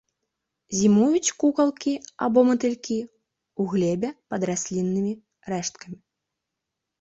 Зімуюць кукалкі або матылькі ў глебе пад расліннымі рэшткамі.